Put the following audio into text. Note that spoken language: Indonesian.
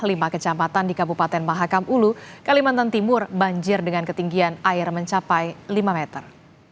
lima kecamatan di kabupaten mahakam ulu kalimantan timur banjir dengan ketinggian air mencapai lima meter